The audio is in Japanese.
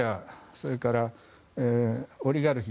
それから、オリガルヒ。